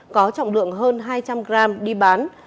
có trọng lượng hơn hai trăm linh g đi bán